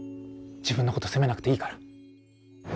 自分のこと責めなくていいから。